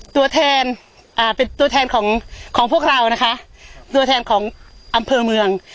ตัวแทนอ่าเป็นตัวแทนของของพวกเรานะคะตัวแทนของอำเภอเมือง